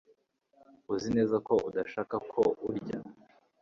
Uzi neza ko udashaka ko urya